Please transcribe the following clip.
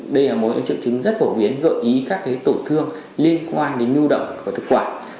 đây là một triệu chứng rất phổ biến gợi ý các tổn thương liên quan đến nhu động của thực quản